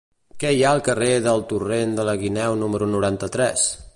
Què hi ha al carrer del Torrent de la Guineu número noranta-tres?